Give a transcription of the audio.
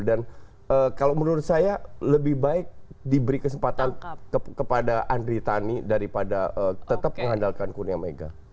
dan kalau menurut saya lebih baik diberi kesempatan kepada andri tani daripada tetap mengandalkan kurnia mega